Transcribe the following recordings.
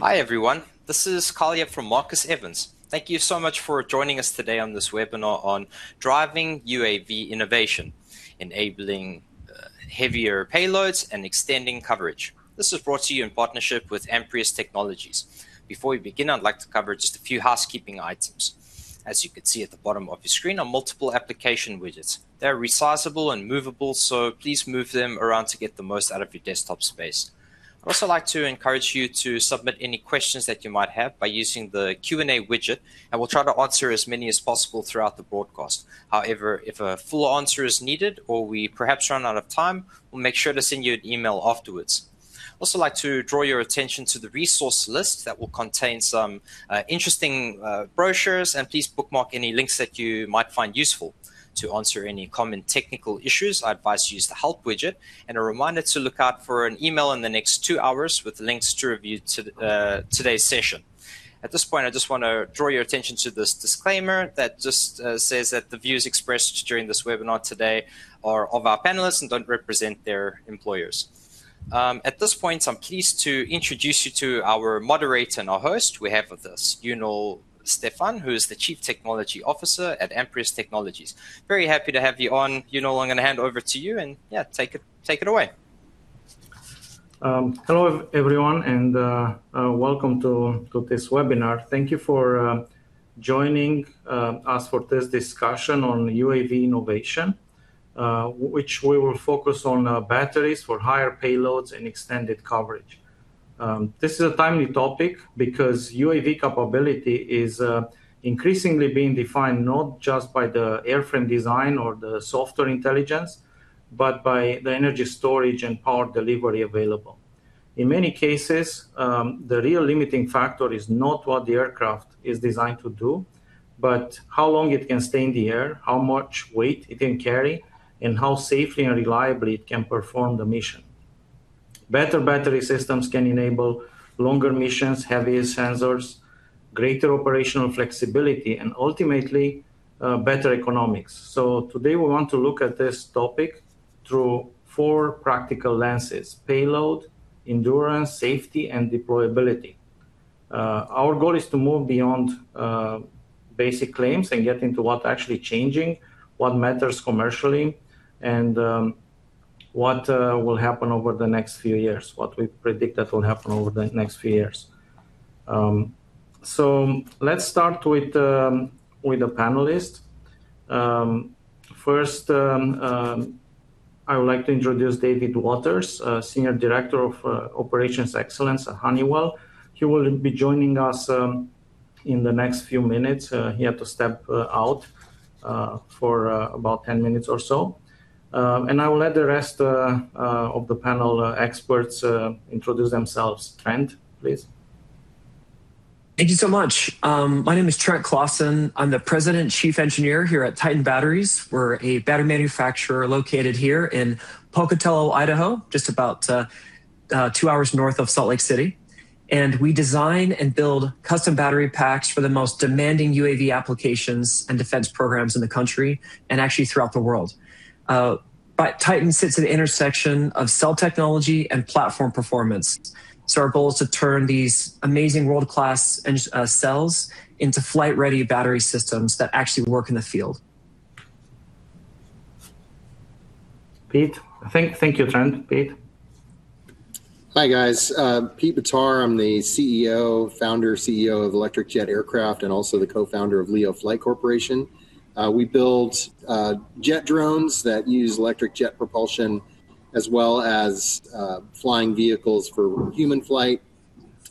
Hi, everyone. This is Collier from Marcus Evans. Thank you so much for joining us today on this webinar on Driving UAV Innovation: Enabling Heavier Payloads and Extending Coverage. This is brought to you in partnership with Amprius Technologies. Before we begin, I'd like to cover just a few housekeeping items. As you can see at the bottom of your screen are multiple application widgets. They're resizable and movable, so please move them around to get the most out of your desktop space. I'd also like to encourage you to submit any questions that you might have by using the Q&A widget, and we'll try to answer as many as possible throughout the broadcast. However, if a full answer is needed or we perhaps run out of time, we'll make sure to send you an email afterwards. I'd like to draw your attention to the resource list that will contain some interesting brochures, and please bookmark any links that you might find useful. To answer any common technical issues, I advise you use the help widget, and a reminder to look out for an email in the next two hours with links to review today's session. At this point, I just want to draw your attention to this disclaimer that just says that the views expressed during this webinar today are of our panelists and don't represent their employers. At this point, I'm pleased to introduce you to our moderator and our host. We have with us Ionel Stefan, who is the Chief Technology Officer at Amprius Technologies. Very happy to have you on. Ionel, I'm going to hand over to you and yeah, take it away. Hello, everyone, and welcome to this webinar. Thank you for joining us for this discussion on UAV innovation, which we will focus on batteries for higher payloads and extended coverage. This is a timely topic because UAV capability is increasingly being defined not just by the airframe design or the software intelligence, but by the energy storage and power delivery available. In many cases, the real limiting factor is not what the aircraft is designed to do, but how long it can stay in the air, how much weight it can carry, and how safely and reliably it can perform the mission. Better battery systems can enable longer missions, heavier sensors, greater operational flexibility, and ultimately, better economics. Today, we want to look at this topic through four practical lenses: payload, endurance, safety, and deployability. Our goal is to move beyond basic claims and get into what's actually changing, what matters commercially, and what will happen over the next few years, what we predict that will happen over the next few years. Let's start with the panelists. First, I would like to introduce David Waters, Senior Director of Operations Excellence at Honeywell. He will be joining us in the next few minutes. He had to step out for about 10 minutes or so. I will let the rest of the panel experts introduce themselves. Trent, please. Thank you so much. My name is Trent Clawson. I am the President Chief Engineer here at Titan Batteries. We are a battery manufacturer located here in Pocatello, Idaho, just about two hours north of Salt Lake City. We design and build custom battery packs for the most demanding UAV applications and defense programs in the country, and actually throughout the world. Titan sits at the intersection of cell technology and platform performance. Our goal is to turn these amazing world-class cells into flight-ready battery systems that actually work in the field. Pete. Thank you, Trent. Pete. Hi, guys. Pete Bitar. I am the CEO, Founder/CEO of Electric Jet Aircraft and also the Co-Founder of LEO Flight Corporation. We build jet drones that use electric jet propulsion as well as flying vehicles for human flight,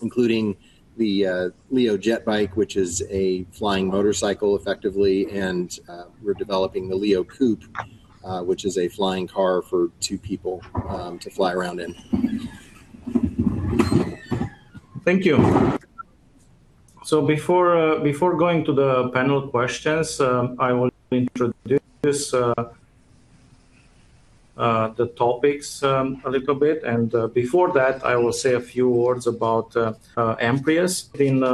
including the LEO JetBike, which is a flying motorcycle, effectively, and we are developing the LEO Coupe, which is a flying car for two people to fly around in. Thank you. Before going to the panel questions, I will introduce the topics a little bit. Before that, I will say a few words about Amprius. In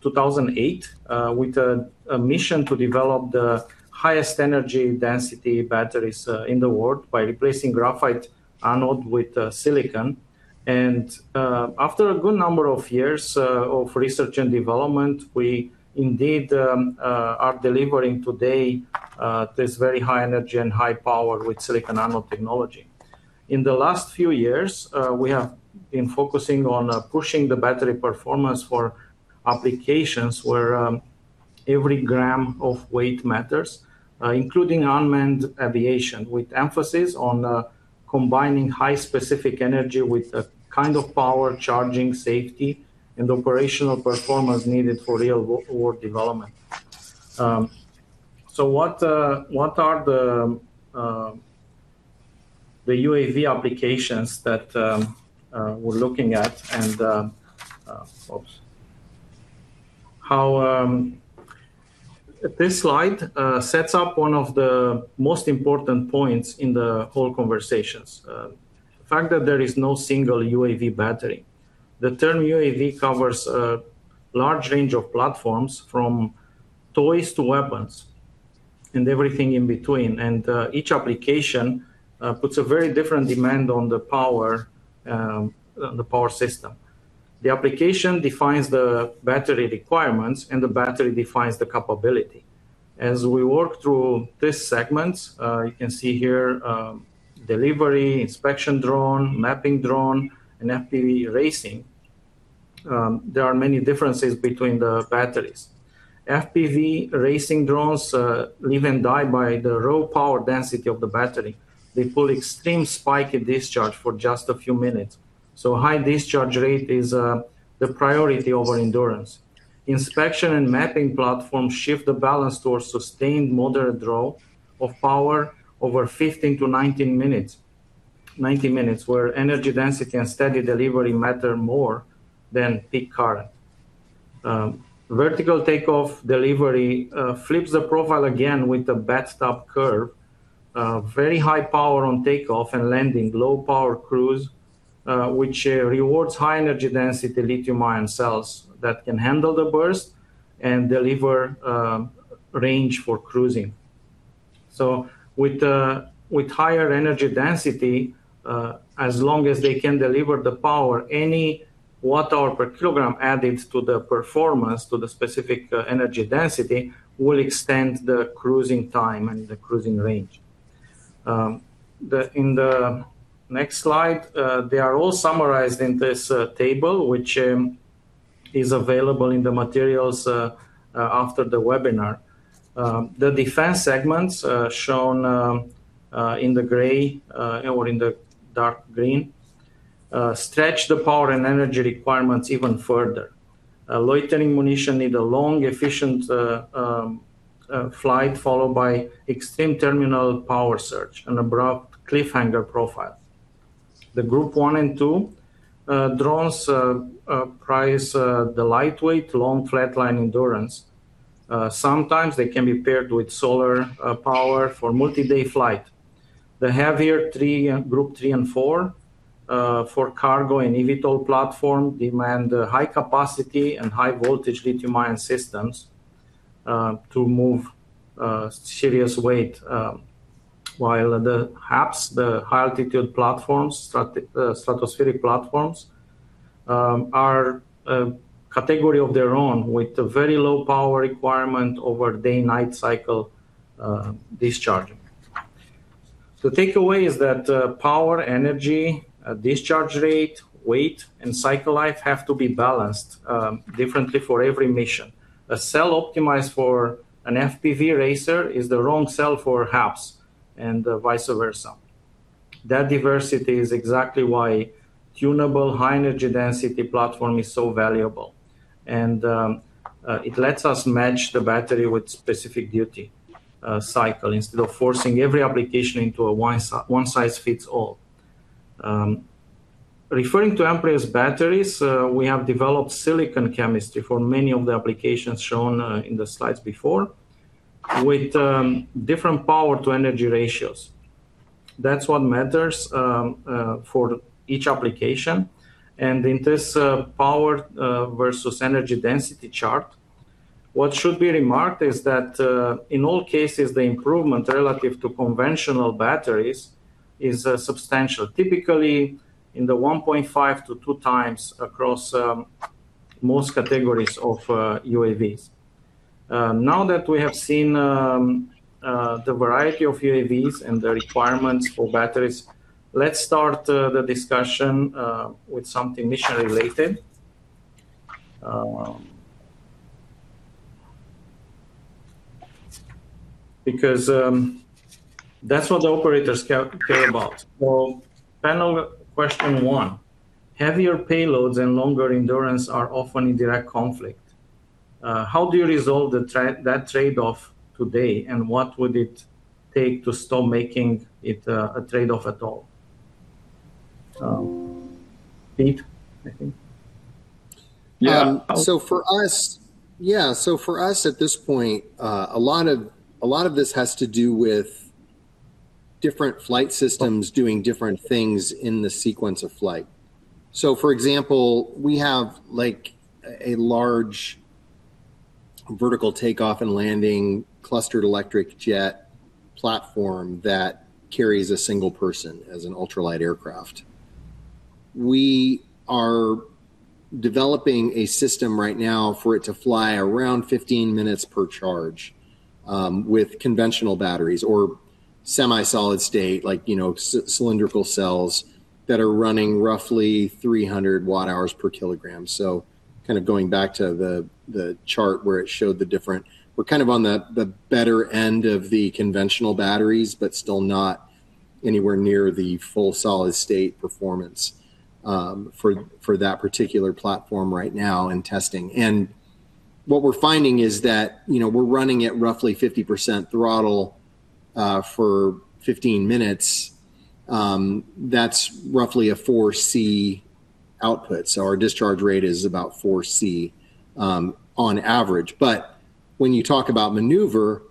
2008, with a mission to develop the highest energy density batteries in the world by replacing graphite anode with silicon, and after a good number of years of research and development, we indeed are delivering today this very high energy and high power with silicon anode technology. In the last few years, we have been focusing on pushing the battery performance for applications where every gram of weight matters, including unmanned aviation, with emphasis on combining high specific energy with a kind of power charging safety and operational performance needed for real-world development. What are the UAV applications that we are looking at? This slide sets up one of the most important points in the whole conversations. The fact that there is no single UAV battery. The term UAV covers a large range of platforms, from toys to weapons. Everything in between. Each application puts a very different demand on the power system. The application defines the battery requirements, and the battery defines the capability. As we work through this segment, you can see here delivery, inspection drone, mapping drone, and FPV racing. There are many differences between the batteries. FPV racing drones live and die by the raw power density of the battery. They pull extreme spike in discharge for just a few minutes. High discharge rate is the priority over endurance. Inspection and mapping platforms shift the balance towards sustained moderate draw of power over 15-90 minutes, where energy density and steady delivery matter more than peak current. Vertical take-off delivery flips the profile again with the bat stop curve. Very high power on take-off and landing, low power cruise, which rewards high energy density lithium-ion cells that can handle the burst and deliver range for cruising. With higher energy density, as long as they can deliver the power, any watt-hour per kilogram added to the performance, to the specific energy density, will extend the cruising time and the cruising range. In the next slide, they are all summarized in this table, which is available in the materials after the webinar. The defense segments shown in the gray or in the dark green stretch the power and energy requirements even further. Loitering munition need a long, efficient flight followed by extreme terminal power search and abrupt cliffhanger profile. The group one and two drones prize the lightweight, long flat line endurance. Sometimes they can be paired with solar power for multi-day flight. The heavier group three and four for cargo and eVTOL platform demand high capacity and high voltage lithium-ion systems to move serious weight, while the HAPS, the high-altitude platforms, stratospheric platforms, are a category of their own with a very low power requirement over day-night cycle discharging. Takeaway is that power, energy, discharge rate, weight, and cycle life have to be balanced differently for every mission. A cell optimized for an FPV racer is the wrong cell for HAPS and vice versa. That diversity is exactly why tunable high energy density platform is so valuable. It lets us match the battery with specific duty cycle instead of forcing every application into a one-size-fits-all. Referring to Amprius batteries, we have developed silicon chemistry for many of the applications shown in the slides before with different power to energy ratios. That's what matters for each application. In this power versus energy density chart, what should be remarked is that, in all cases, the improvement relative to conventional batteries is substantial, typically in the 1.5x-2x across most categories of UAVs. Now that we have seen the variety of UAVs and the requirements for batteries, let's start the discussion with something mission related. Because that's what the operators care about. Panel question one, heavier payloads and longer endurance are often in direct conflict. How do you resolve that trade-off today, and what would it take to stop making it a trade-off at all? Pete, I think. For us at this point, a lot of this has to do with different flight systems doing different things in the sequence of flight. For example, we have a large vertical take-off and landing clustered electric jet platform that carries a single person as an ultralight aircraft. We are developing a system right now for it to fly around 15 minutes per charge with conventional batteries or semi-solid-state cylindrical cells that are running roughly 300 Wh/kg. Going back to the chart where it showed the different We're on the better end of the conventional batteries, but still not anywhere near the full solid-state performance for that particular platform right now in testing. What we're finding is that we're running at roughly 50% throttle for 15 minutes. That's roughly a 4C output. Our discharge rate is about 4C on average. When you talk about maneuver,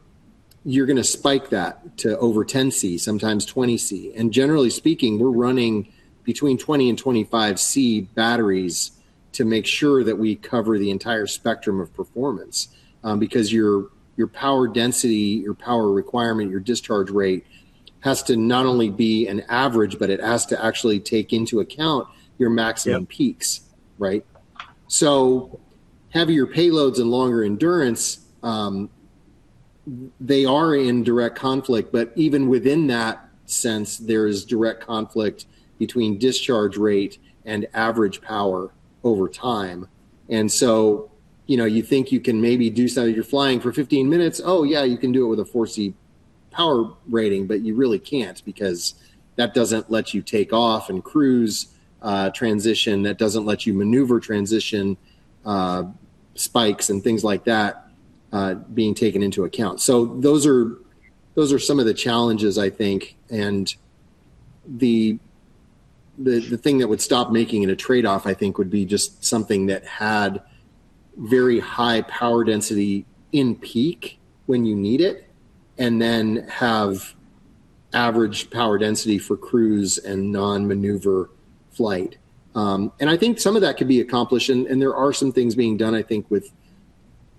you're going to spike that to over 10C, sometimes 20C. Generally speaking, we're running between 20C and 25C batteries to make sure that we cover the entire spectrum of performance. Because your power density, your power requirement, your discharge rate has to not only be an average, but it has to actually take into account your maximum peaks. Right? Heavier payloads and longer endurance, they are in direct conflict. Even within that sense, there is direct conflict between discharge rate and average power over time. You think you can maybe do some of your flying for 15 minutes, oh yeah, you can do it with a 4C power rating, but you really can't because that doesn't let you take off and cruise transition. That doesn't let you maneuver transition spikes and things like that being taken into account. Those are some of the challenges, I think, and the thing that would stop making it a trade-off, I think, would be just something that had very high power density in peak when you need it, and then have average power density for cruise and non-maneuver flight. I think some of that could be accomplished, and there are some things being done, I think, with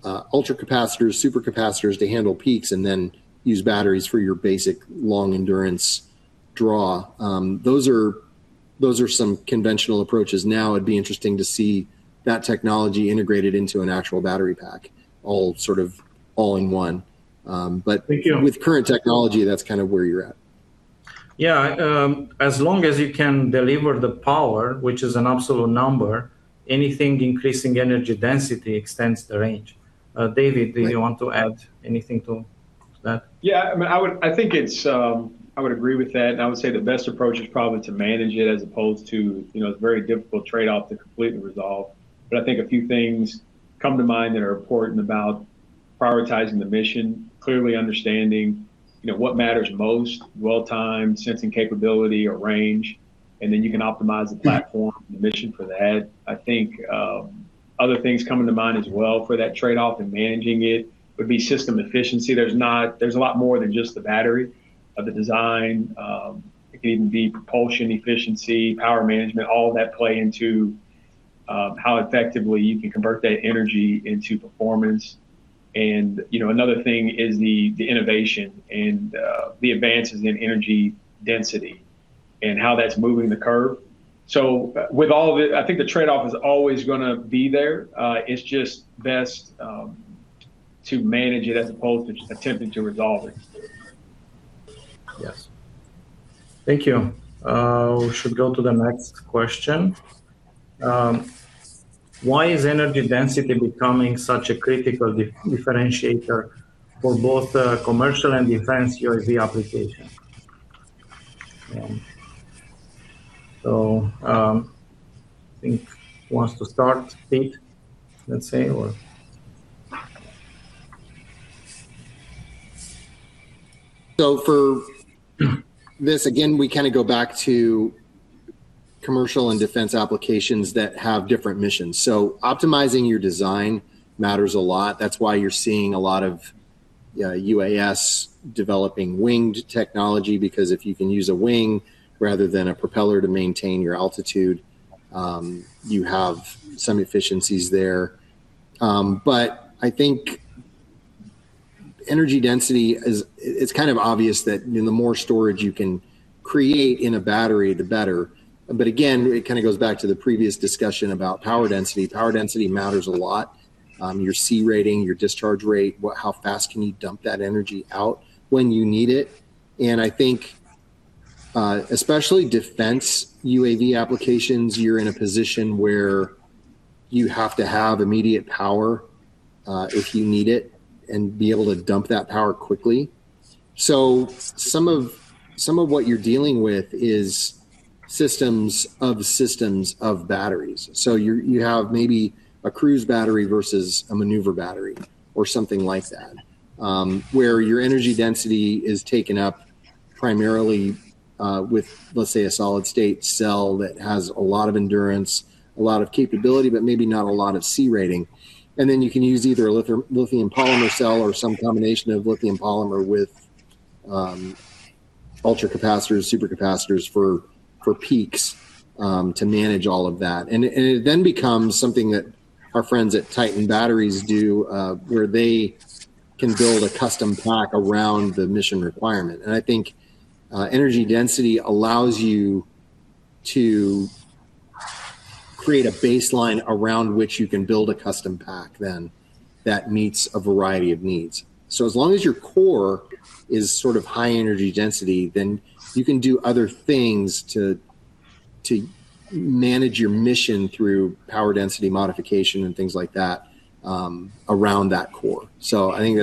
ultracapacitors, supercapacitors to handle peaks, and then use batteries for your basic long endurance draw. Those are some conventional approaches. Now it'd be interesting to see that technology integrated into an actual battery pack, all in one. Thank you With current technology, that's kind of where you're at. Yeah. As long as you can deliver the power, which is an absolute number, anything increasing energy density extends the range. David, do you want to add anything to that? Yeah. I would agree with that, and I would say the best approach is probably to manage it as opposed to It's a very difficult trade-off to completely resolve. I think a few things come to mind that are important about prioritizing the mission, clearly understanding what matters most, dwell time, sensing capability, or range, and then you can optimize the platform and the mission for that. I think other things coming to mind as well for that trade-off and managing it would be system efficiency. There's a lot more than just the battery of the design. It can be propulsion efficiency, power management, all of that play into how effectively you can convert that energy into performance. Another thing is the innovation and the advances in energy density, and how that's moving the curve. With all of it, I think the trade-off is always going to be there. It's just best to manage it as opposed to attempting to resolve it. Yes. Thank you. We should go to the next question. Why is energy density becoming such a critical differentiator for both commercial and defense UAV applications? I think who wants to start? Pete, let's say, or- For this, again, we go back to commercial and defense applications that have different missions. Optimizing your design matters a lot. That's why you're seeing a lot of UAS developing winged technology, because if you can use a wing rather than a propeller to maintain your altitude, you have some efficiencies there. I think energy density is kind of obvious that the more storage you can create in a battery, the better. Again, it kind of goes back to the previous discussion about power density. Power density matters a lot. Your C-rating, your discharge rate, how fast can you dump that energy out when you need it. I think, especially defense UAV applications, you're in a position where you have to have immediate power, if you need it, and be able to dump that power quickly. Some of what you're dealing with is systems of systems of batteries. You have maybe a cruise battery versus a maneuver battery or something like that. Where your energy density is taken up primarily with, let's say, a solid-state cell that has a lot of endurance, a lot of capability, but maybe not a lot of C-rating. Then you can use either a lithium-polymer cell or some combination of lithium-polymer with ultracapacitors, supercapacitors for peaks to manage all of that. It then becomes something that our friends at Titan Batteries do, where they can build a custom pack around the mission requirement. I think energy density allows you to create a baseline around which you can build a custom pack then that meets a variety of needs. As long as your core is sort of high energy density, then you can do other things to manage your mission through power density modification and things like that around that core. I think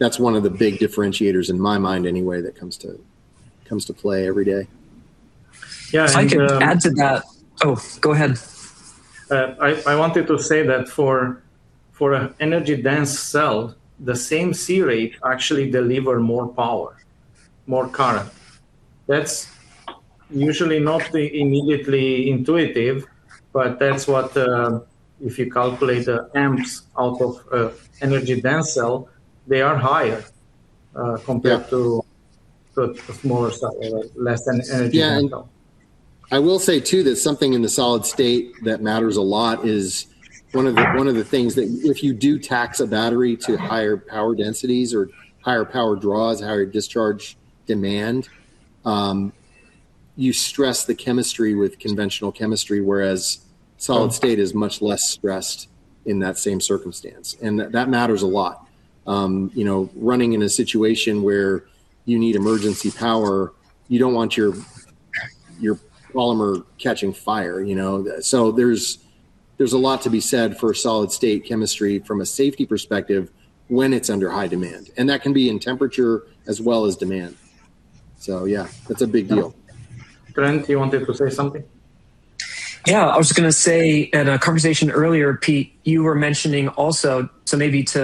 that's one of the big differentiators in my mind anyway that comes to play every day. Yeah. If I could add to that. Go ahead. I wanted to say that for an energy-dense cell, the same C-rate actually delivers more power, more current. That's usually not immediately intuitive, but that's what if you calculate the amps out of an energy-dense cell, they are higher compared to. Yeah. I will say too that something in the solid state that matters a lot is one of the things that if you do tax a battery to higher power densities or higher power draws, higher discharge demand, you stress the chemistry with conventional chemistry, whereas solid state is much less stressed in that same circumstance. That matters a lot. Running in a situation where you need emergency power, you don't want your polymer catching fire. There's a lot to be said for solid-state chemistry from a safety perspective when it's under high demand. That can be in temperature as well as demand. Yeah, that's a big deal. Trent, you wanted to say something? Yeah, I was going to say in a conversation earlier, Pete, you were mentioning also, maybe if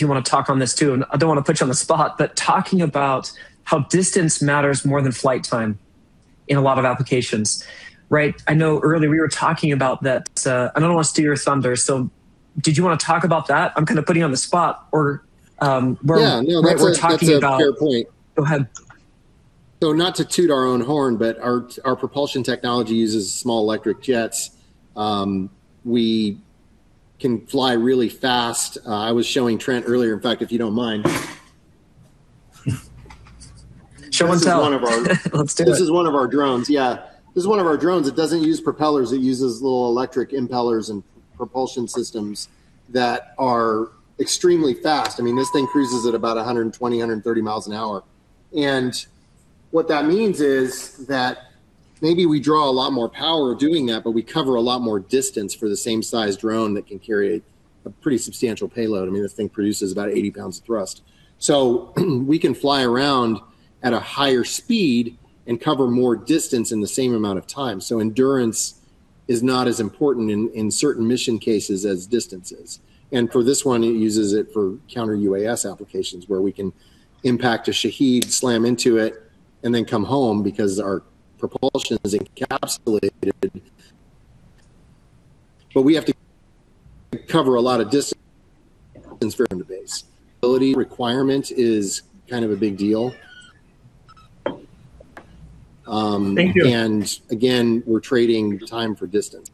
you want to talk on this too, I don't want to put you on the spot, talking about how distance matters more than flight time in a lot of applications, right? I know earlier we were talking about that. I don't want to steal your thunder, did you want to talk about that? I'm kind of putting you on the spot. Yeah, no, that's a fair point. We're talking about. Go ahead. Not to toot our own horn, our propulsion technology uses small electric jets. We can fly really fast. I was showing Trent earlier, in fact, if you don't mind. Show and tell. Let's do it. This is one of our drones. Yeah. This is one of our drones. It doesn't use propellers. It uses little electric impellers and propulsion systems that are extremely fast. I mean, this thing cruises at about 120-130 miles an hour. What that means is that maybe we draw a lot more power doing that, but we cover a lot more distance for the same sized drone that can carry a pretty substantial payload. I mean, this thing produces about 80 pounds of thrust. We can fly around at a higher speed and cover more distance in the same amount of time. Endurance is not as important in certain mission cases as distance is. For this one, it uses it for Counter-UAS applications where we can impact a Shahed, slam into it, and then come home because our propulsion is encapsulated. We have to cover a lot of distance from the base. Ability requirement is kind of a big deal. Thank you. Again, we're trading time for distance.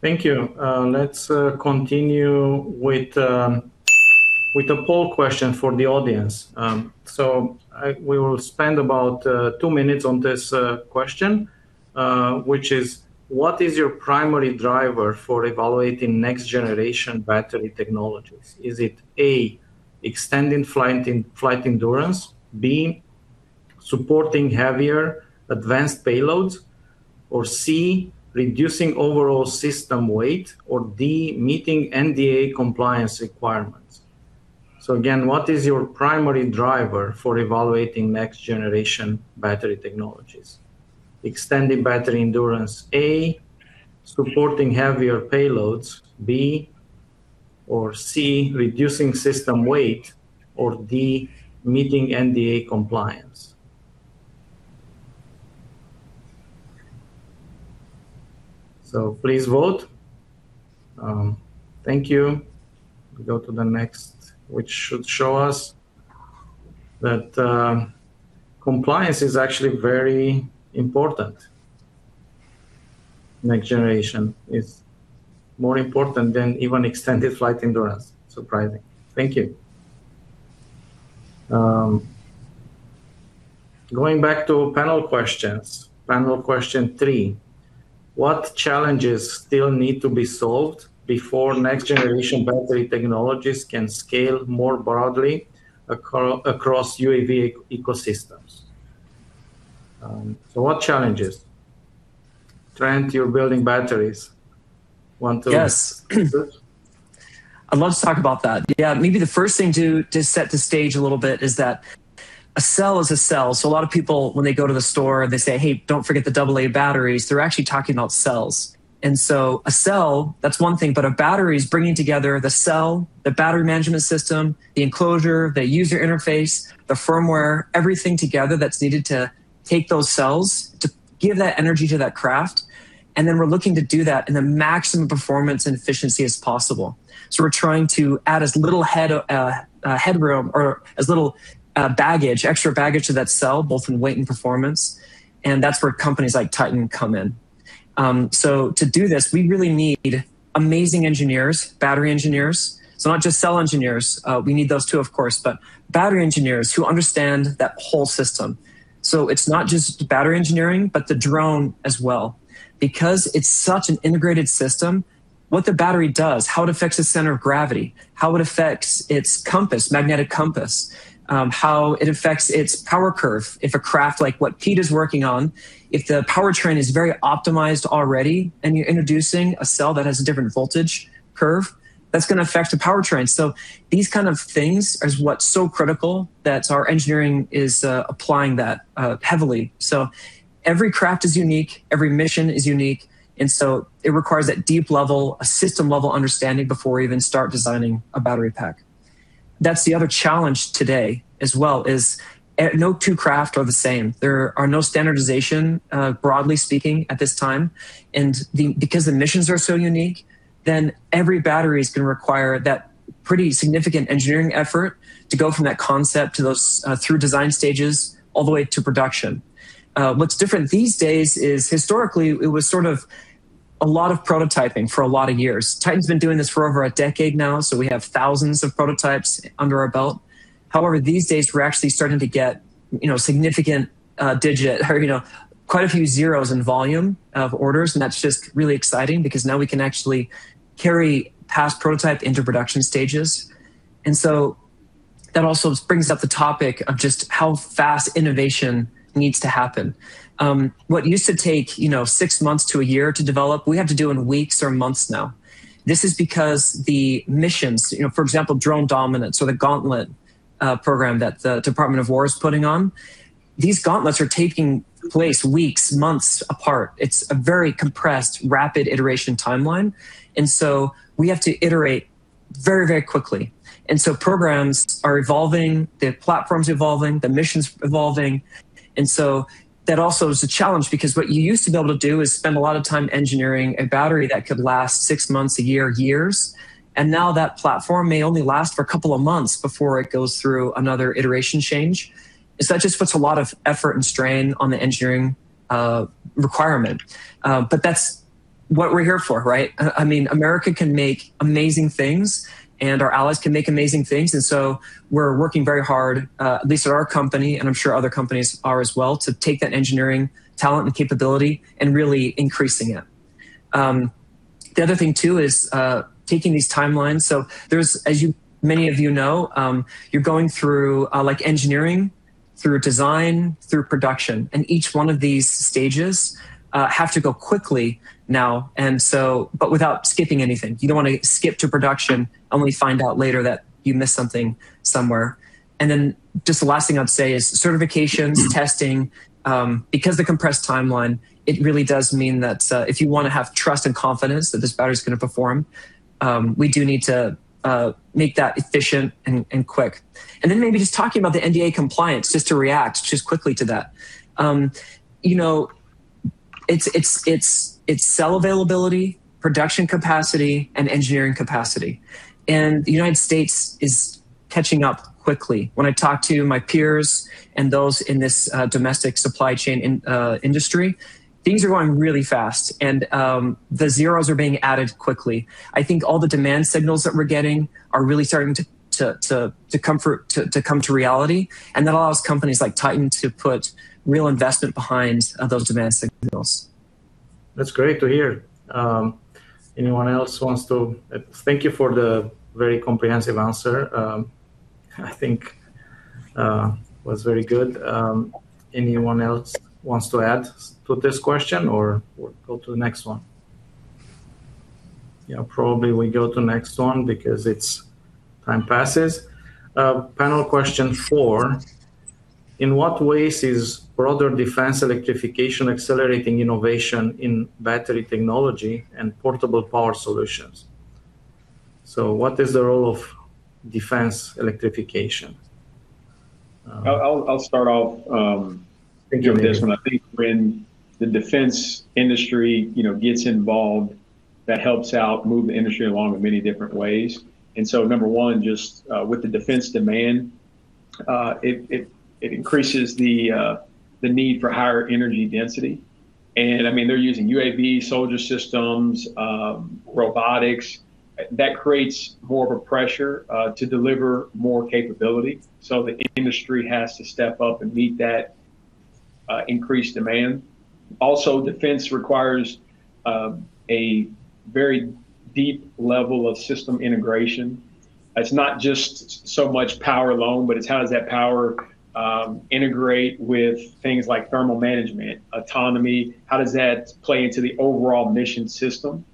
Thank you. Let's continue with a poll question for the audience. We will spend about two minutes on this question, which is, what is your primary driver for evaluating next generation battery technologies? Is it A, extending flight endurance, B, supporting heavier, advanced payloads, or C, reducing overall system weight, or D, meeting NDAA compliance requirements. Again, what is your primary driver for evaluating next generation battery technologies? Extending battery endurance, A, supporting heavier payloads, B, or C, reducing system weight, or D, meeting NDAA compliance. Please vote. Thank you. We go to the next, which should show us that compliance is actually very important. Next generation is more important than even extended flight endurance. Surprising. Thank you. Going back to panel questions, panel question three. What challenges still need to be solved before next generation battery technologies can scale more broadly across UAV ecosystems? What challenges? Trent, you're building batteries. Yes. Answer? I'd love to talk about that. Yeah, maybe the first thing to just set the stage a little bit is that a cell is a cell. A lot of people when they go to the store and they say, "Hey, don't forget the AA batteries," they're actually talking about cells. A cell, that's one thing, but a battery is bringing together the cell, the battery management system, the enclosure, the user interface, the firmware, everything together that's needed to take those cells to give that energy to that craft. We're looking to do that in the maximum performance and efficiency as possible. We're trying to add as little headroom or as little baggage, extra baggage to that cell, both in weight and performance. That's where companies like Titan come in. To do this, we really need amazing engineers, battery engineers. Not just cell engineers. We need those too, of course, but battery engineers who understand that whole system. It's not just battery engineering, but the drone as well. Because it's such an integrated system, what the battery does, how it affects the center of gravity, how it affects its compass, magnetic compass, how it affects its power curve. If a craft like what Pete is working on, if the powertrain is very optimized already and you're introducing a cell that has a different voltage curve, that's going to affect the powertrain. These kind of things is what's so critical that our engineering is applying that heavily. Every craft is unique, every mission is unique, it requires that deep level, a system level understanding before we even start designing a battery pack. That's the other challenge today as well is no two craft are the same. There are no standardization, broadly speaking, at this time. Because the missions are so unique, then every battery is going to require that pretty significant engineering effort to go from that concept through design stages, all the way to production. What's different these days is historically it was sort of a lot of prototyping for a lot of years. Titan's been doing this for over a decade now, we have thousands of prototypes under our belt. However, these days we're actually starting to get significant digit, or quite a few zeros in volume of orders, that's just really exciting because now we can actually carry past prototype into production stages. That also brings up the topic of just how fast innovation needs to happen. What used to take six months to a year to develop, we have to do in weeks or months now. This is because the missions, for example, Drone Dominance or the Gauntlet program that the Department of War is putting on, these Gauntlets are taking place weeks, months apart. It's a very compressed, rapid iteration timeline. We have to iterate very, very quickly. Programs are evolving, the platform's evolving, the mission's evolving. That also is a challenge because what you used to be able to do is spend a lot of time engineering a battery that could last six months, a year, years, and now that platform may only last for a couple of months before it goes through another iteration change. That just puts a lot of effort and strain on the engineering requirement. That's what we're here for, right? America can make amazing things, our allies can make amazing things. We're working very hard, at least at our company, and I'm sure other companies are as well, to take that engineering talent and capability and really increasing it. The other thing, too, is taking these timelines. There's, as many of you know, you're going through engineering, through design, through production, and each one of these stages have to go quickly now, but without skipping anything. You don't want to skip to production and we find out later that you missed something somewhere. The last thing I'd say is certifications, testing. Because the compressed timeline, it really does mean that if you want to have trust and confidence that this battery's going to perform, we do need to make that efficient and quick. Maybe just talking about the NDAA compliance, just to react just quickly to that. It's cell availability, production capacity, and engineering capacity. The U.S. is catching up quickly. When I talk to my peers and those in this domestic supply chain industry, things are going really fast. The zeros are being added quickly. I think all the demand signals that we're getting are really starting to come to reality. That allows companies like Titan to put real investment behind those demand signals. That's great to hear. Thank you for the very comprehensive answer. I think it was very good. Anyone else wants to add to this question, or we'll go to the next one? Probably we go to next one because time passes. Panel question four. In what ways is broader defense electrification accelerating innovation in battery technology and portable power solutions? What is the role of defense electrification? I'll start off- Okay Answering this one. I think when the Defense industry gets involved, that helps out move the industry along in many different ways. Number one, just with the Defense demand, it increases the need for higher energy density. They're using UAV soldier systems, robotics. That creates more of a pressure to deliver more capability. The industry has to step up and meet that increased demand. Also, Defense requires a very deep level of system integration. It's not just so much power alone, but it's how does that power integrate with things like thermal management, autonomy, how does that play into the overall mission system,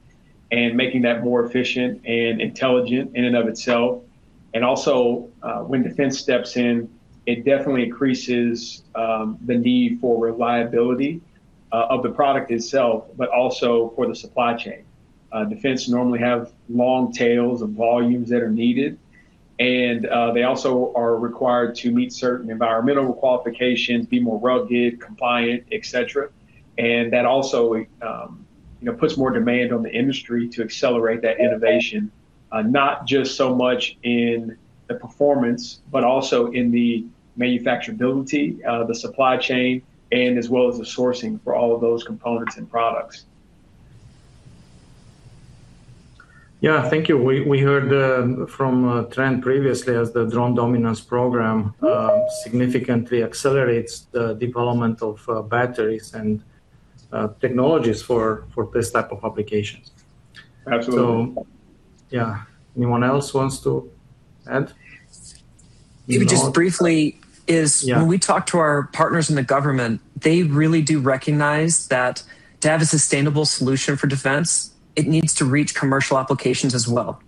and making that more efficient and intelligent in and of itself. Also, when Defense steps in, it definitely increases the need for reliability of the product itself, but also for the supply chain. Defense normally have long tails of volumes that are needed, and they also are required to meet certain environmental qualifications, be more rugged, compliant, et cetera. That also puts more demand on the industry to accelerate that innovation, not just so much in the performance, but also in the manufacturability, the supply chain, and as well as the sourcing for all of those components and products. Yeah. Thank you. We heard from Trent previously as the Drone Dominance program significantly accelerates the development of batteries and technologies for this type of application. Absolutely. Yeah. Anyone else wants to add? Maybe just briefly. Yeah When we talk to our partners in the government, they really do recognize that to have a sustainable solution for Defense, it needs to reach commercial applications as well.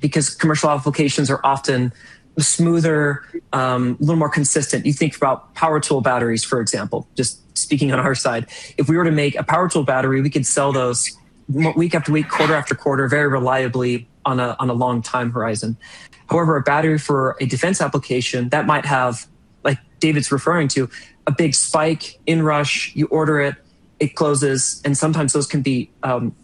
Because commercial applications are often smoother, a little more consistent. You think about power tool batteries, for example, just speaking on our side. If we were to make a power tool battery, we could sell those week after week, quarter after quarter, very reliably on a long time horizon. However, a battery for a Defense application that might have, like David's referring to, a big spike in rush, you order it closes, and sometimes those can be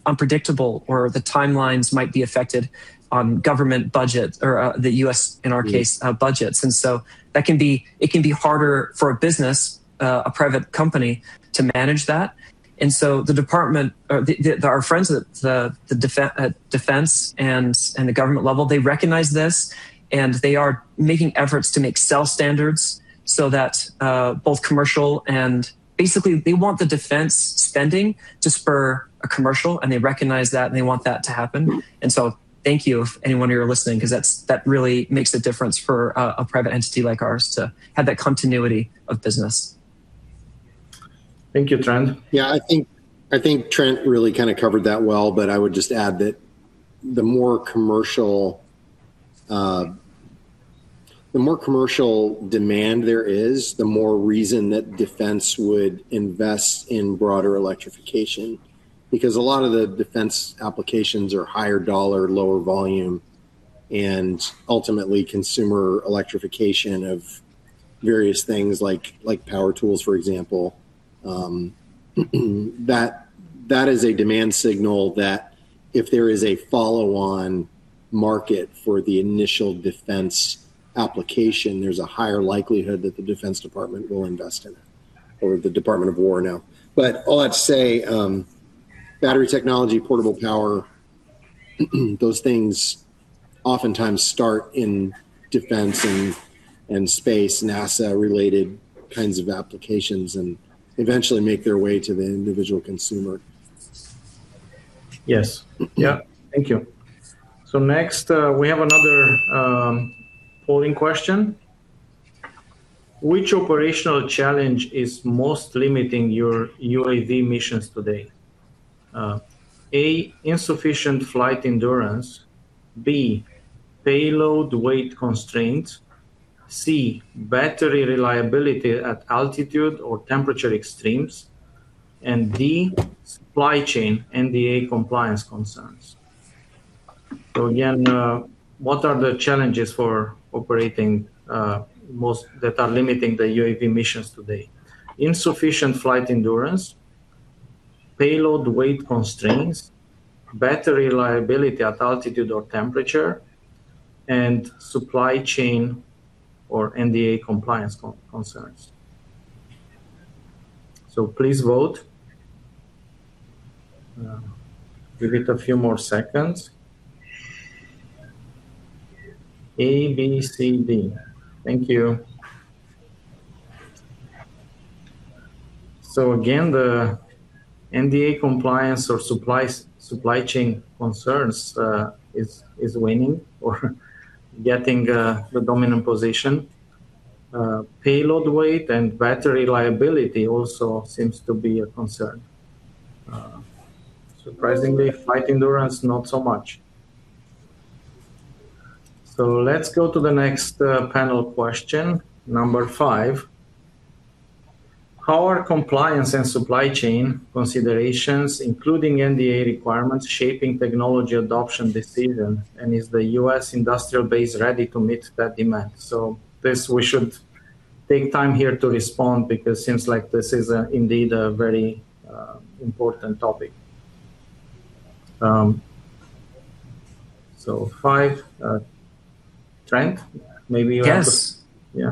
unpredictable, or the timelines might be affected on government budget or the U.S., in our case, budgets. It can be harder for a business, a private company, to manage that. Our friends at Defense and the government level, they recognize this, and they are making efforts to make cell standards so that both commercial. Basically, they want the Defense spending to spur a commercial, and they recognize that, and they want that to happen. Thank you, if anyone of you are listening, because that really makes a difference for a private entity like ours to have that continuity of business. Thank you, Trent. I think Trent really kind of covered that well, I would just add that the more commercial demand there is, the more reason that Defense would invest in broader electrification. Because a lot of the defense applications are higher dollar, lower volume and ultimately consumer electrification of various things like power tools, for example. That is a demand signal that if there is a follow-on market for the initial defense application, there's a higher likelihood that the Defense Department will invest in it, or the Department of War now. All that to say, battery technology, portable power, those things oftentimes start in defense and space, NASA-related kinds of applications, and eventually make their way to the individual consumer. Yes. Thank you. Next, we have another polling question. Which operational challenge is most limiting your UAV missions today? A, insufficient flight endurance, B, payload weight constraints, C, battery reliability at altitude or temperature extremes, and D, supply chain NDAA compliance concerns. Again, what are the challenges for operating that are limiting the UAV missions today? Insufficient flight endurance, payload weight constraints, battery reliability at altitude or temperature, and supply chain or NDAA compliance concerns. Please vote. Give it a few more seconds. A, B, C, D. Thank you. Again, the NDAA compliance or supply chain concerns is winning or getting the dominant position. Payload weight and battery reliability also seems to be a concern. Surprisingly, flight endurance, not so much. Let's go to the next panel question, number five. How are compliance and supply chain considerations, including NDAA requirements, shaping technology adoption decisions, and is the U.S. industrial base ready to meet that demand? This, we should take time here to respond because seems like this is indeed a very important topic. Five, Trent, maybe. Yes. Yeah.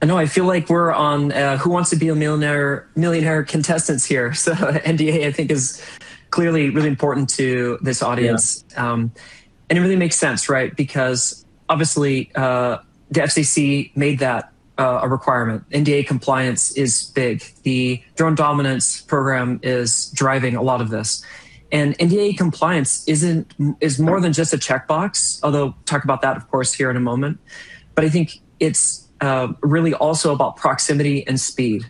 I know. I feel like we're on "Who Wants to Be a Millionaire?" contestants here. NDAA, I think, is clearly really important to this audience. Yeah. It really makes sense, right? Obviously, the FCC made that a requirement. NDAA compliance is big. The Drone Dominance program is driving a lot of this. NDAA compliance is more than just a checkbox, although talk about that, of course, here in a moment, but I think it's really also about proximity and speed.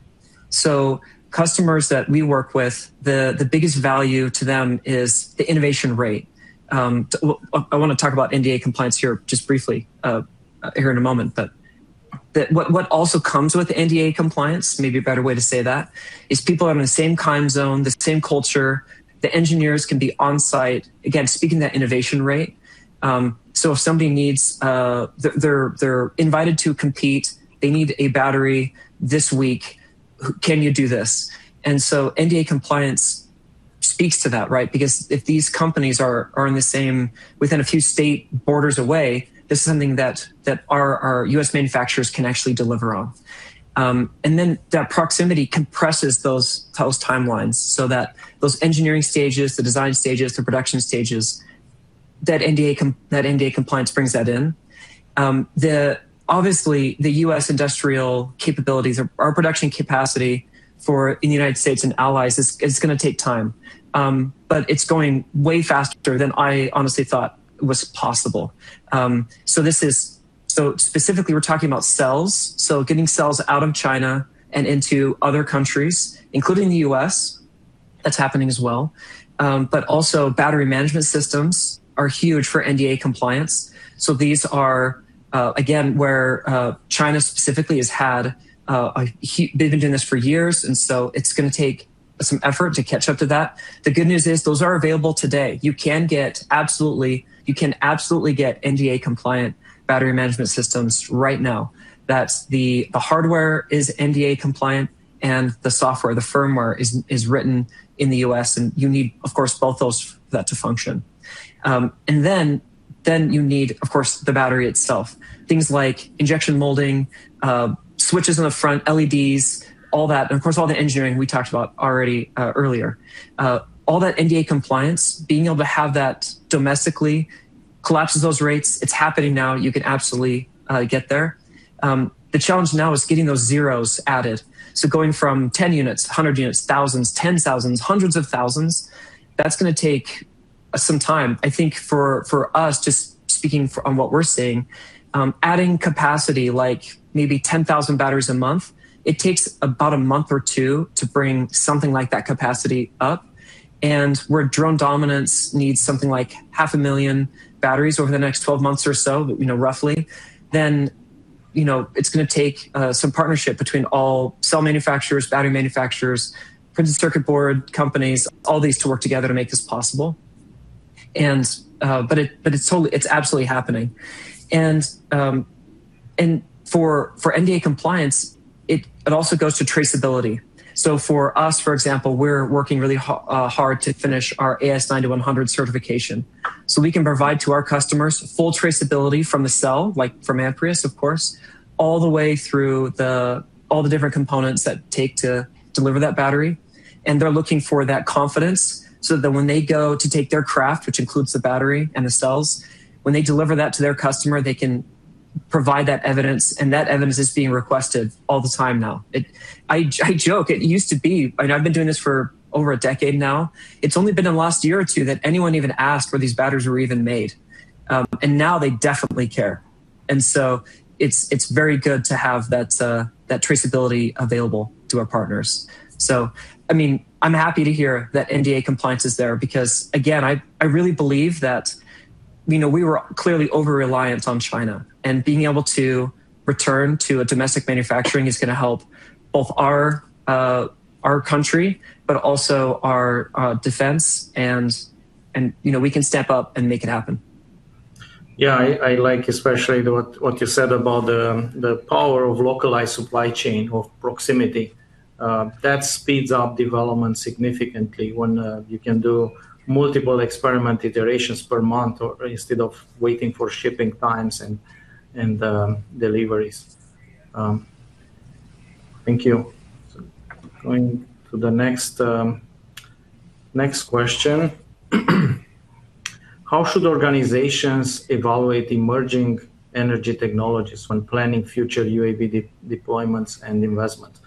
Customers that we work with, the biggest value to them is the innovation rate. I want to talk about NDAA compliance here just briefly here in a moment, but what also comes with NDAA compliance, maybe a better way to say that, is people are in the same time zone, the same culture, the engineers can be on-site. Again, speaking to that innovation rate. If somebody needs They're invited to compete, they need a battery this week, can you do this? NDAA compliance speaks to that, right? If these companies are within a few state borders away, this is something that our U.S. manufacturers can actually deliver on. Then that proximity compresses those timelines so that those engineering stages, the design stages, the production stages, that NDAA compliance brings that in. Obviously, the U.S. industrial capabilities or our production capacity for in the United States and allies, it's going to take time. It's going way faster than I honestly thought was possible. Specifically, we're talking about cells, getting cells out of China and into other countries, including the U.S. That's happening as well. Also battery management systems are huge for NDAA compliance. These are, again, where China specifically has had a They've been doing this for years, it's going to take some effort to catch up to that. The good news is those are available today. You can absolutely get NDAA-compliant battery management systems right now. That's the hardware is NDAA-compliant and the software, the firmware, is written in the U.S., and you need, of course, both those for that to function. Then you need, of course, the battery itself. Things like injection molding, switches on the front, LEDs, all that, and of course, all the engineering we talked about already earlier. All that NDAA compliance, being able to have that domestically collapses those rates. It's happening now. You can absolutely get there. The challenge now is getting those zeros added. Going from 10 units to 100 units, thousands, 10,000, hundreds of thousands, that's going to take some time. I think for us, just speaking on what we're seeing, adding capacity, like maybe 10,000 batteries a month, it takes about a month or two to bring something like that capacity up. Where Drone Dominance needs something like half a million batteries over the next 12 months or so, roughly, then it's going to take some partnership between all cell manufacturers, battery manufacturers, printed circuit board companies, all these to work together to make this possible. It's absolutely happening. For NDAA compliance, it also goes to traceability. For us, for example, we're working really hard to finish our AS9100 certification. We can provide to our customers full traceability from the cell, from Amprius, of course, all the way through all the different components that it take to deliver that battery, and they're looking for that confidence so that when they go to take their craft, which includes the battery and the cells, when they deliver that to their customer, they can provide that evidence, and that evidence is being requested all the time now. I joke. It used to be, I've been doing this for over a decade now, it's only been in the last year or two that anyone even asked where these batteries were even made. Now they definitely care. It's very good to have that traceability available to our partners. I'm happy to hear that NDA compliance is there because, again, I really believe that we were clearly over-reliant on China, being able to return to a domestic manufacturing is going to help both our country, but also our defense, and we can step up and make it happen. I like especially what you said about the power of localized supply chain or proximity. That speeds up development significantly when you can do multiple experiment iterations per month or instead of waiting for shipping times and deliveries. Thank you. Going to the next question. How should organizations evaluate emerging energy technologies when planning future UAV deployments and investments?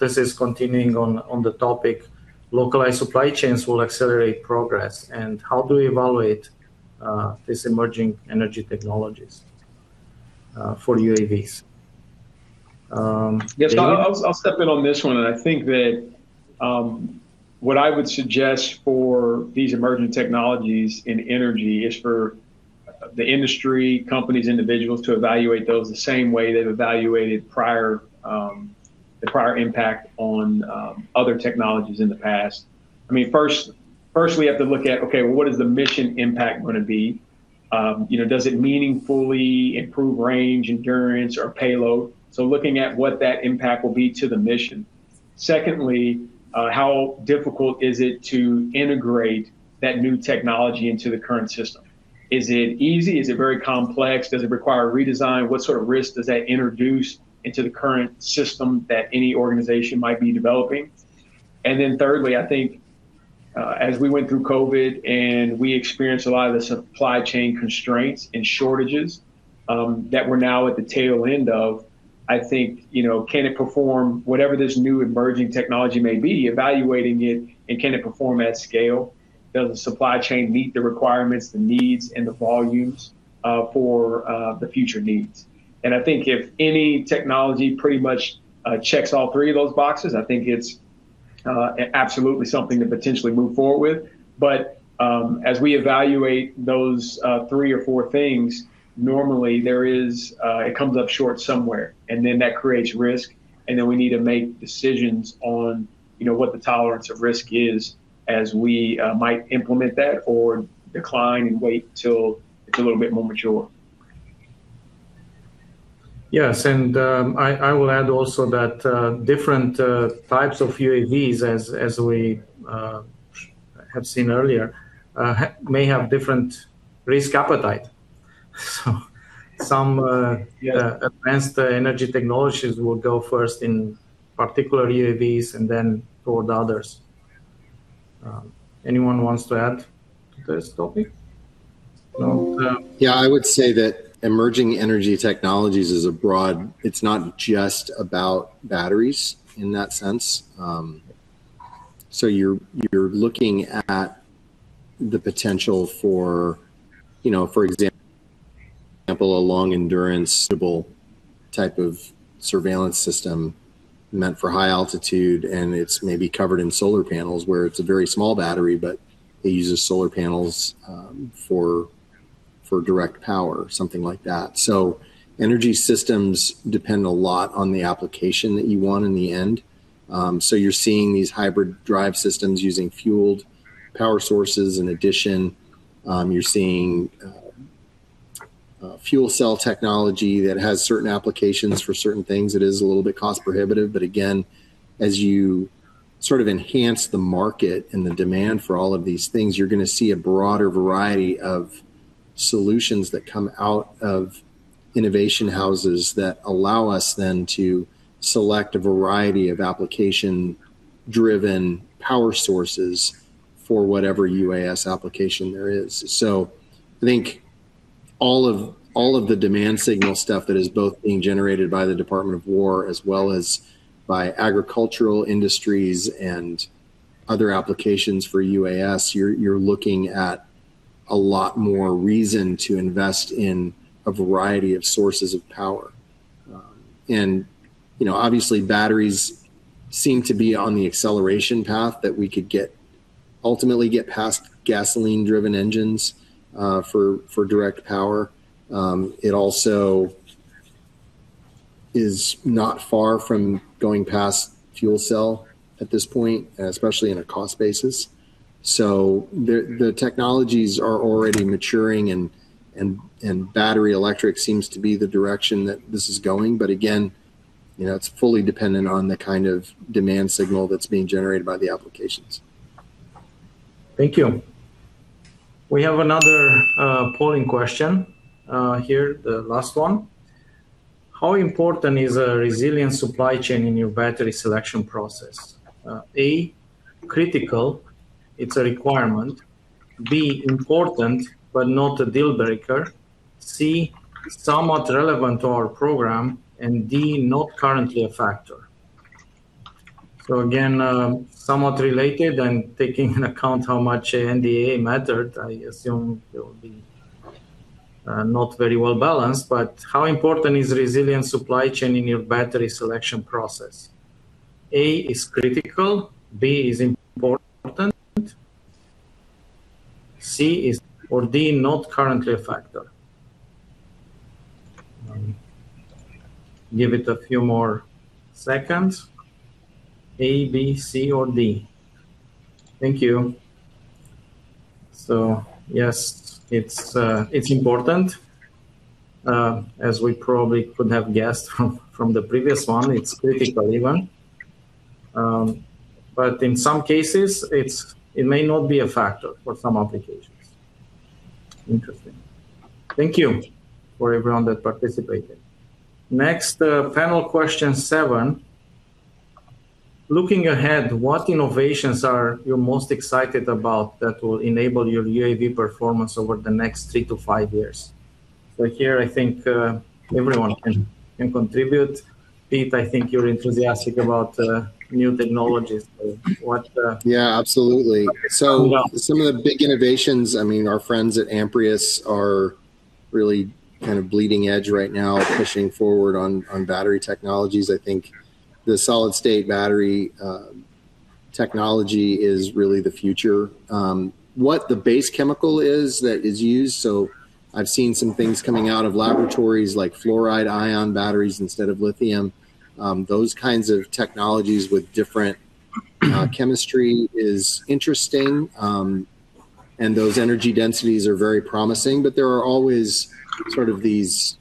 This is continuing on the topic, localized supply chains will accelerate progress, and how do we evaluate these emerging energy technologies for UAVs? David? I'll step in on this one, I think that what I would suggest for these emerging technologies in energy is for the industry, companies, individuals to evaluate those the same way they've evaluated the prior impact on other technologies in the past. First, we have to look at, okay, well, what is the mission impact going to be? Does it meaningfully improve range, endurance, or payload? Looking at what that impact will be to the mission. Secondly, how difficult is it to integrate that new technology into the current system? Is it easy? Is it very complex? Does it require a redesign? What sort of risk does that introduce into the current system that any organization might be developing? Thirdly, I think, as we went through COVID and we experienced a lot of the supply chain constraints and shortages that we're now at the tail end of, I think, can it perform whatever this new emerging technology may be, evaluating it and can it perform at scale? Does the supply chain meet the requirements, the needs, and the volumes, for the future needs? I think if any technology pretty much checks all three of those boxes, I think it's absolutely something to potentially move forward with. As we evaluate those three or four things, normally it comes up short somewhere, and then that creates risk, and then we need to make decisions on what the tolerance of risk is as we might implement that or decline and wait till it's a little bit more mature. Yes, I will add also that different types of UAVs, as we have seen earlier, may have different risk appetite. Some- Yeah Advanced energy technologies will go first in particular UAVs and then toward others. Anyone wants to add to this topic? No. Yeah, I would say that emerging energy technologies is a broad. It's not just about batteries in that sense. You're looking at the potential, for example, a long-endurance stable type of surveillance system meant for high altitude, and it's maybe covered in solar panels where it's a very small battery, but it uses solar panels for direct power, something like that. Energy systems depend a lot on the application that you want in the end. You're seeing these hybrid drive systems using fueled power sources. In addition, you're seeing fuel cell technology that has certain applications for certain things. It is a little bit cost prohibitive, again, as you sort of enhance the market and the demand for all of these things, you're going to see a broader variety of solutions that come out of innovation houses that allow us then to select a variety of application-driven power sources for whatever UAS application there is. I think all of the demand signal stuff that is both being generated by the Department of War as well as by agricultural industries and other applications for UAS, you're looking at a lot more reason to invest in a variety of sources of power. Obviously, batteries seem to be on the acceleration path that we could ultimately get past gasoline-driven engines, for direct power. It also is not far from going past fuel cell at this point, especially in a cost basis. The technologies are already maturing and battery electric seems to be the direction that this is going, but again, it's fully dependent on the kind of demand signal that's being generated by the applications. Thank you. We have another polling question here, the last one. How important is a resilient supply chain in your battery selection process? A, critical, it's a requirement. B, important, but not a deal breaker. C, somewhat relevant to our program, and D, not currently a factor. Again, somewhat related and taking into account how much NDAA mattered, I assume it'll be not very well balanced, but how important is resilient supply chain in your battery selection process? A is critical. B is important. C or D, not currently a factor. Give it a few more seconds. A, B, C, or D. Thank you. Yes, it's important. As we probably could have guessed from the previous one, it's critical even. In some cases, it may not be a factor for some applications. Interesting. Thank you for everyone that participated. Next, panel question seven. Looking ahead, what innovations are you most excited about that will enable your UAV performance over the next three to five years? Here, I think, everyone can contribute. Pete, I think you're enthusiastic about new technologies. what- Yeah, absolutely. Okay. Some of the big innovations, our friends at Amprius are really kind of bleeding edge right now, pushing forward on battery technologies. I think the solid-state battery technology is really the future. What the base chemical is that is used, I've seen some things coming out of laboratories like fluoride-ion batteries instead of lithium. Those kinds of technologies with different chemistry is interesting. Those energy densities are very promising, but there are always sort of these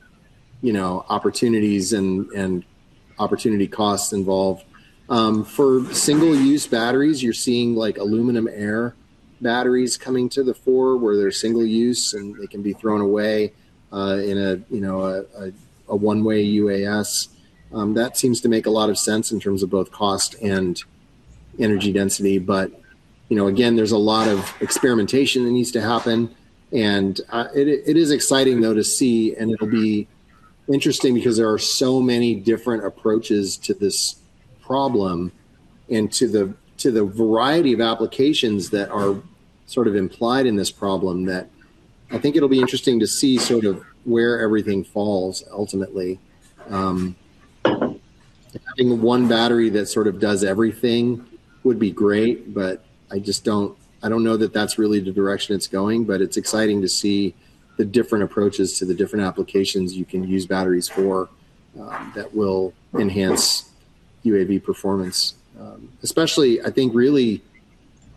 opportunities and opportunity costs involved. For single-use batteries, you're seeing aluminum-air batteries coming to the fore where they're single use, and they can be thrown away in a one-way UAS. That seems to make a lot of sense in terms of both cost and energy density, but again, there's a lot of experimentation that needs to happen. It is exciting, though, to see, and it'll be interesting because there are so many different approaches to this problem and to the variety of applications that are sort of implied in this problem that I think it'll be interesting to see sort of where everything falls ultimately. Having one battery that sort of does everything would be great, but I don't know that that's really the direction it's going, but it's exciting to see the different approaches to the different applications you can use batteries for, that will enhance UAV performance. Especially, I think really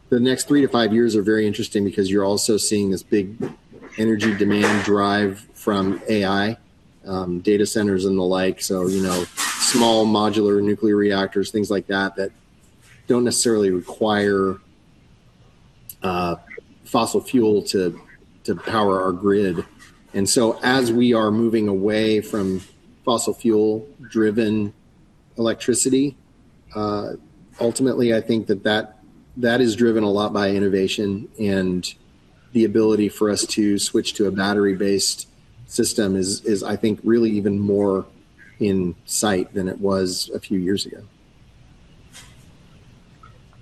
the next three to five years are very interesting because you're also seeing this big energy demand drive from AI, data centers, and the like, so small modular reactors, things like that don't necessarily require fossil fuel to power our grid. As we are moving away from fossil fuel-driven electricity, ultimately, I think that that is driven a lot by innovation and the ability for us to switch to a battery-based system is, I think, really even more in sight than it was a few years ago.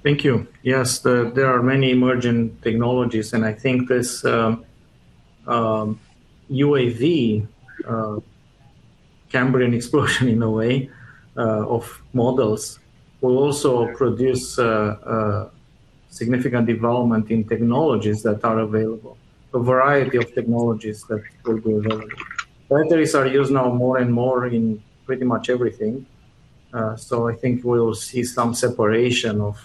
Thank you. Yes, there are many emerging technologies, and I think this UAV Cambrian explosion in a way, of models will also produce significant development in technologies that are available, a variety of technologies that will be available. Batteries are used now more and more in pretty much everything. I think we'll see some separation of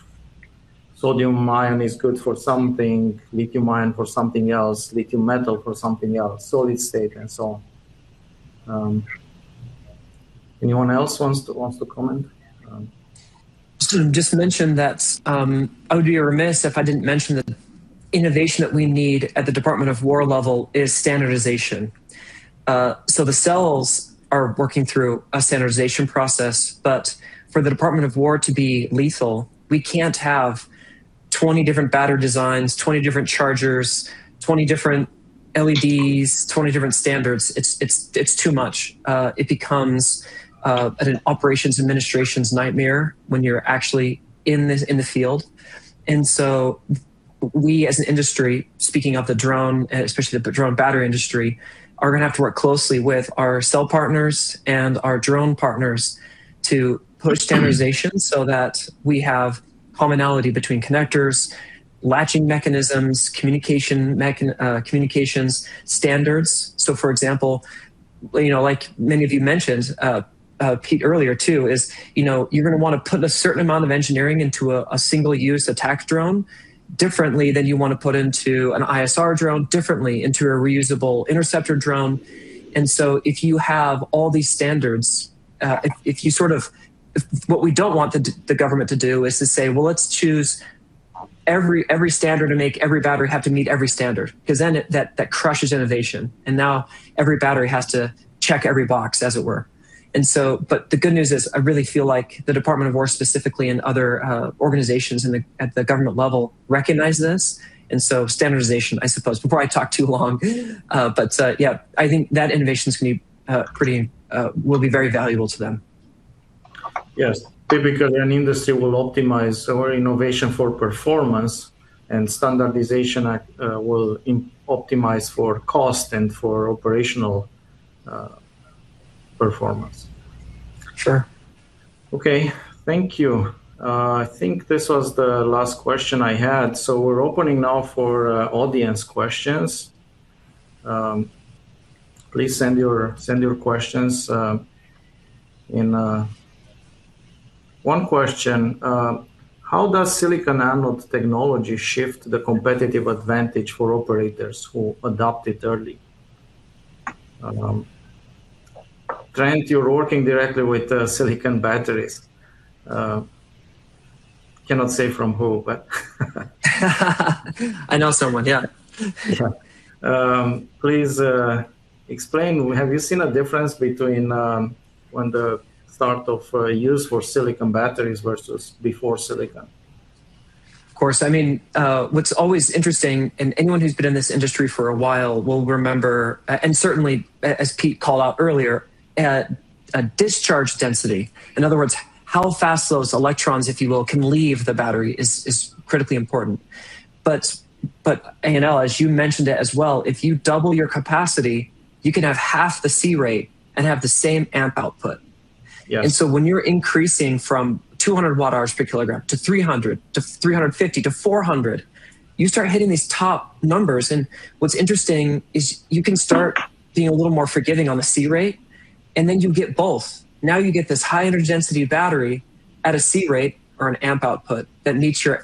sodium-ion is good for something, lithium-ion for something else, lithium-metal for something else, solid-state and so on. Anyone else wants to comment? Just to mention that I would be remiss if I didn't mention that innovation that we need at the Department of War level is standardization. The cells are working through a standardization process, but for the Department of War to be lethal, we can't have 20 different battery designs, 20 different chargers, 20 different LEDs, 20 different standards. It's too much. It becomes at an operations administration's nightmare when you're actually in the field. We as an industry, speaking of the drone, especially the drone battery industry, are going to have to work closely with our cell partners and our drone partners to push standardization so that we have commonality between connectors, latching mechanisms, communications standards. For example, like many of you mentioned, Pete earlier, too, is you're going to want to put a certain amount of engineering into a single use attack drone differently than you want to put into an ISR drone, differently into a reusable interceptor drone. If you have all these standards, what we don't want the government to do is to say, "Well, let's choose every standard and make every battery have to meet every standard," because then that crushes innovation. Now every battery has to check every box, as it were. The good news is I really feel like the Department of War specifically and other organizations at the government level recognize this. Standardization, I suppose, before I talk too long. Yeah, I think that innovation will be very valuable to them. Yes. Typically, an industry will optimize or innovation for performance and standardization will optimize for cost and for operational performance. Sure. Okay. Thank you. I think this was the last question I had. We're opening now for audience questions. Please send your questions in. One question, how does silicon anode technology shift the competitive advantage for operators who adopt it early? Trent, you're working directly with silicon batteries. Cannot say from who, but- I know someone, yeah. Yeah. Please explain, have you seen a difference between when the start of use for silicon batteries versus before silicon? Of course. What's always interesting, and anyone who's been in this industry for a while will remember, and certainly as Pete called out earlier, a discharge density. In other words, how fast those electrons, if you will, can leave the battery is critically important. Ionel, as you mentioned it as well, if you double your capacity, you can have half the C-rate and have the same amp output. Yes. When you're increasing from 200 Wh/kg to 300 to 350 to 400, you start hitting these top numbers. What's interesting is you can start being a little more forgiving on the C-rate, then you get both. Now you get this high energy density battery at a C-rate or an amp output that meets your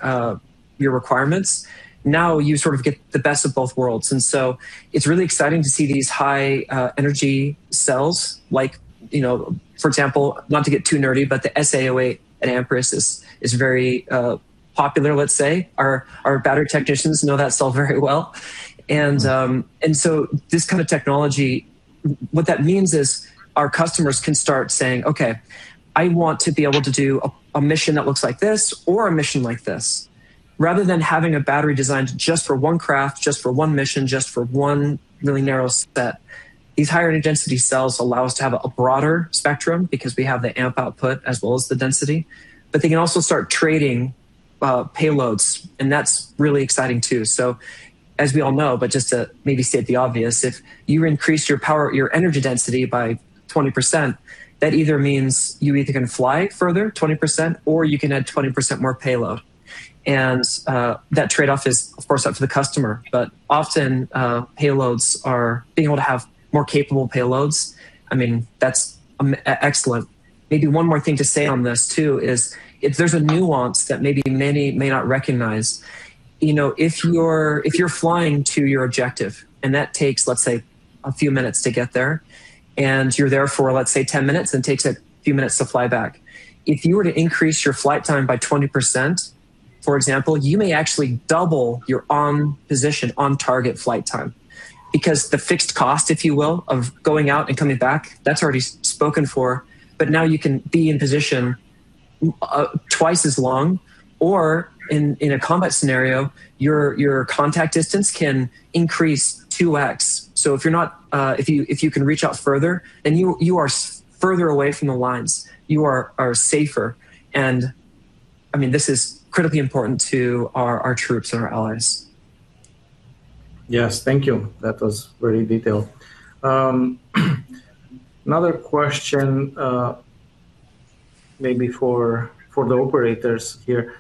requirements. Now you sort of get the best of both worlds. It's really exciting to see these high energy cells, for example, not to get too nerdy, but the SA08 at Amprius is very popular, let's say. Our battery technicians know that cell very well. This kind of technology, what that means is our customers can start saying, "Okay, I want to be able to do a mission that looks like this or a mission like this." Rather than having a battery designed just for one craft, just for one mission, just for one really narrow set. These higher energy density cells allow us to have a broader spectrum because we have the amp output as well as the density, but they can also start trading payloads. That's really exciting, too. As we all know, but just to maybe state the obvious, if you increase your energy density by 20%, that either means you either can fly further 20% or you can add 20% more payload. That trade-off is, of course, up to the customer. But often, being able to have more capable payloads, that's excellent. Maybe one more thing to say on this, too, is there's a nuance that maybe many may not recognize. If you're flying to your objective and that takes, let's say, a few minutes to get there, and you're there for, let's say, 10 minutes and takes a few minutes to fly back. If you were to increase your flight time by 20%, for example, you may actually double your on position, on target flight time, because the fixed cost, if you will, of going out and coming back, that's already spoken for. But now you can be in position twice as long, or in a combat scenario, your contact distance can increase 2x. If you can reach out further, then you are further away from the lines. You are safer. This is critically important to our troops and our allies. Yes. Thank you. That was very detailed. Another question maybe for the operators here.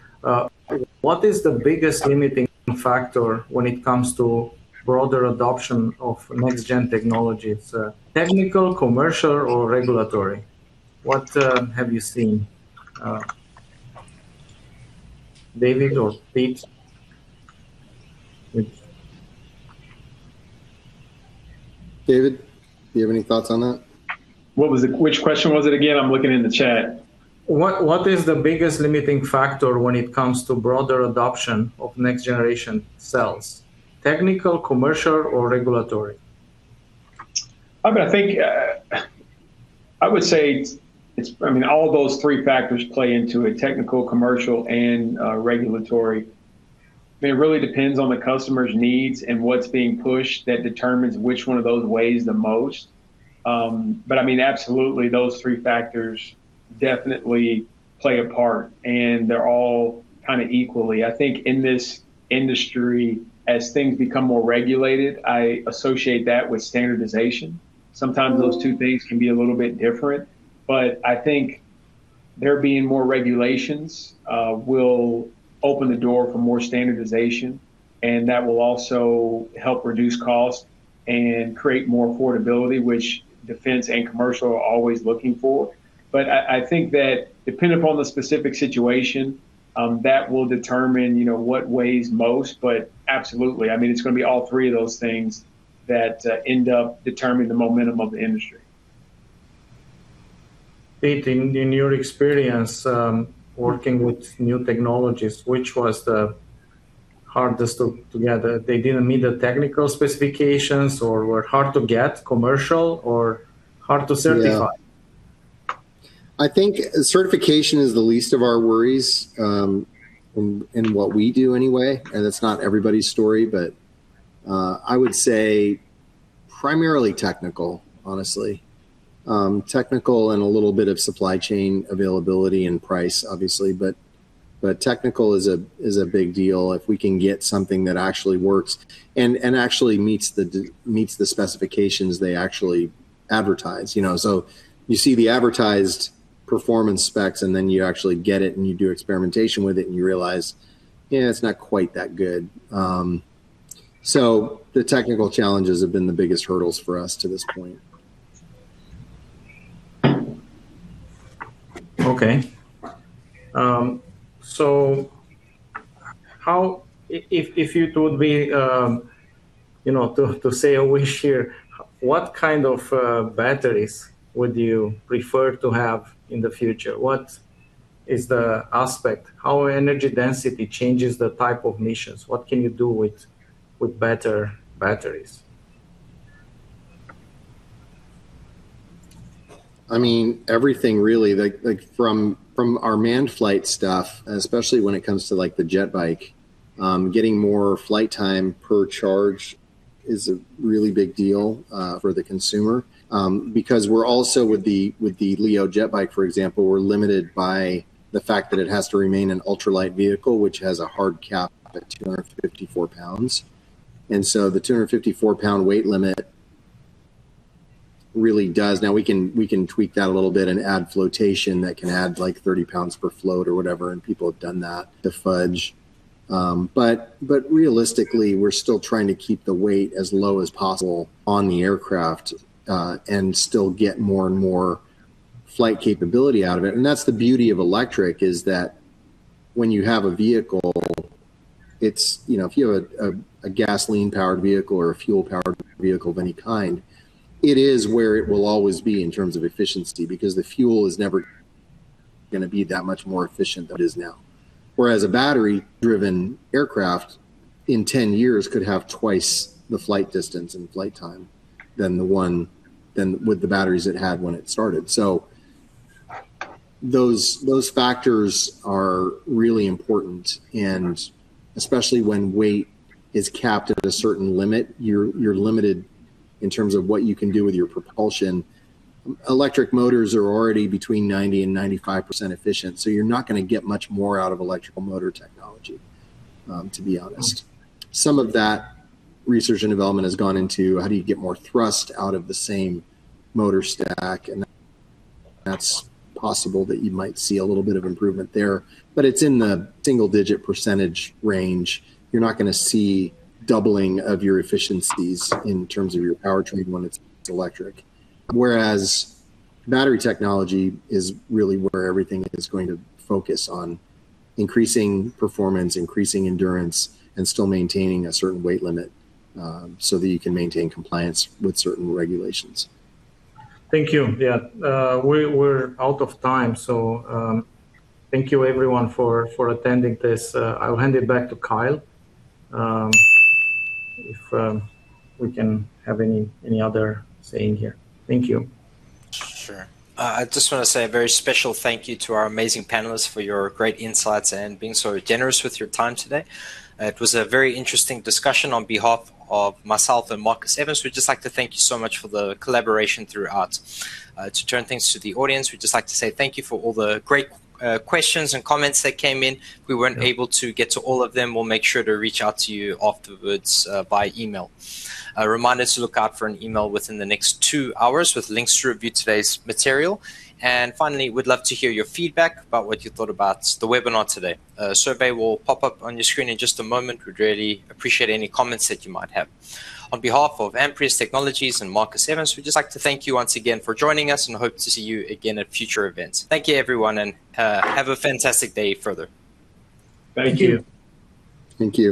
What is the biggest limiting factor when it comes to broader adoption of next-gen technology? It's technical, commercial or regulatory? What have you seen? David or Pete? David, do you have any thoughts on that? Which question was it again? I'm looking in the chat. What is the biggest limiting factor when it comes to broader adoption of next generation cells? Technical, commercial or regulatory? I would say all those three factors play into it, technical, commercial and regulatory. It really depends on the customer's needs and what's being pushed that determines which one of those weighs the most. Absolutely, those three factors definitely play a part, and they're all kind of equal. I think in this industry, as things become more regulated, I associate that with standardization. Sometimes those two things can be a little bit different. I think there being more regulations will open the door for more standardization, and that will also help reduce cost and create more affordability, which defense and commercial are always looking for. I think that depending upon the specific situation, that will determine what weighs most. Absolutely, it's going to be all three of those things that end up determining the momentum of the industry. Pete, in your experience working with new technologies, which was the hardest to get? They didn't meet the technical specifications or were hard to get commercial or hard to certify? Yeah. I think certification is the least of our worries in what we do anyway. It's not everybody's story, but I would say primarily technical, honestly. Technical and a little bit of supply chain availability and price, obviously. Technical is a big deal. If we can get something that actually works and actually meets the specifications they actually advertise. You see the advertised performance specs, and then you actually get it and you do experimentation with it, and you realize it's not quite that good. The technical challenges have been the biggest hurdles for us to this point. Okay. If you would be to say a wish here, what kind of batteries would you prefer to have in the future? What is the aspect? How energy density changes the type of missions. What can you do with better batteries? Everything really. From our manned flight stuff, especially when it comes to the LEO JetBike. Getting more flight time per charge is a really big deal for the consumer. Because we're also with the LEO JetBike, for example, we're limited by the fact that it has to remain an ultralight vehicle, which has a hard cap at 254 pounds. The 254-pound weight limit really does. Now we can tweak that a little bit and add flotation that can add like 30 pounds per float or whatever, and people have done that to fudge. Realistically, we're still trying to keep the weight as low as possible on the aircraft, and still get more and more flight capability out of it. That's the beauty of electric, is that when you have a vehicle, if you have a gasoline-powered vehicle or a fuel-powered vehicle of any kind, it is where it will always be in terms of efficiency because the fuel is never going to be that much more efficient than it is now. Whereas a battery-driven aircraft in 10 years could have twice the flight distance and flight time than with the batteries it had when it started. Those factors are really important. Especially when weight is capped at a certain limit, you're limited in terms of what you can do with your propulsion. Electric motors are already between 90% and 95% efficient, you're not going to get much more out of electrical motor technology, to be honest. Some of that research and development has gone into how do you get more thrust out of the same motor stack. That's possible that you might see a little bit of improvement there, but it's in the single-digit percentage range. You're not going to see doubling of your efficiencies in terms of your power train when it's electric. Battery technology is really where everything is going to focus on increasing performance, increasing endurance and still maintaining a certain weight limit, so that you can maintain compliance with certain regulations. Thank you. Yeah. We're out of time. Thank you everyone for attending this. I'll hand it back to [Kyle] if we can have any other say in here. Thank you. Sure. I just want to say a very special thank you to our amazing panelists for your great insights and being so generous with your time today. It was a very interesting discussion. On behalf of myself and Marcus Evans, we'd just like to thank you so much for the collaboration throughout. To turn things to the audience, we'd just like to say thank you for all the great questions and comments that came in. We weren't able to get to all of them. We'll make sure to reach out to you afterwards by email. A reminder to look out for an email within the next two hours with links to review today's material. Finally, we'd love to hear your feedback about what you thought about the webinar today. A survey will pop up on your screen in just a moment. We'd really appreciate any comments that you might have. On behalf of Amprius Technologies and Marcus Evans, we'd just like to thank you once again for joining us and hope to see you again at future events. Thank you everyone. Have a fantastic day further. Thank you. Thank you.